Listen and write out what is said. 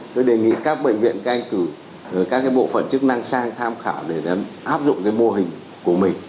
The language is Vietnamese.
tôi đề nghị các bệnh viện canh cử các bộ phận chức năng sang tham khảo để áp dụng cái mô hình của mình